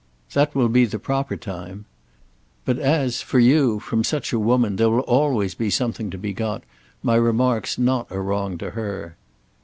"That will be the proper time. But as, for you, from such a woman, there will always be something to be got, my remark's not a wrong to her."